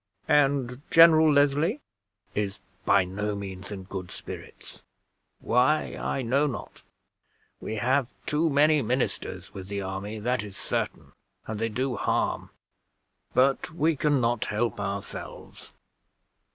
"And General Leslie?" "Is by no means in good spirits: why, I know not. We have too many ministers with the army, that is certain, and they do harm; but we can not help ourselves.